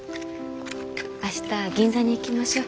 明日銀座に行きましょう。